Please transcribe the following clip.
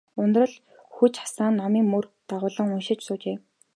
Ундрах хүж асаан, номын мөр дагуулан уншиж суужээ.